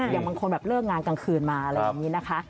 อย่างบางคนแบบเลิกงานกลางคืนมาอะไรอย่างนี้นะคะ